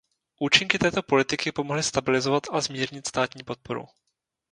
Účinky této politiky pomohly stabilizovat a zmírnit státní podporu.